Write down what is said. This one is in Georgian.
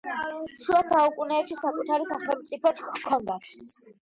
შუა საუკუნეებში საკუთარი სახელმწიფოც ჰქონდათ.